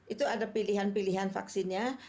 itu ada pilihan pilihan vaksinnya